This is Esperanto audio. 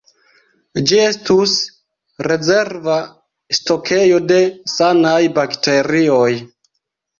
Ĝi estus rezerva stokejo de sanaj bakterioj.